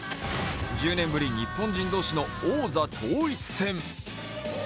１０年ぶり、日本人同士の王座統一戦。